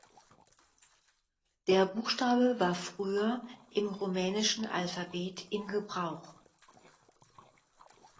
Der Buchstabe war früher im rumänischen Alphabet in Gebrauch.